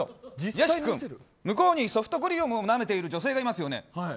屋敷君向こうにソフトクリームをなめている女性がいますよね。